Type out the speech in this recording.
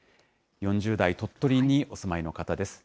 ４０代、鳥取にお住まいの方です。